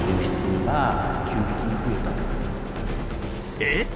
えっ？